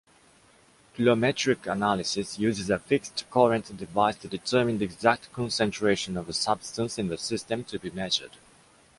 Coulometric analysis uses a fixed current device to determine the exact concentration of a substance in the system to be measured.